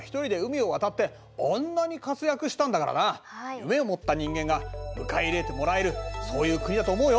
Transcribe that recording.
夢を持った人間が迎え入れてもらえるそういう国だと思うよ。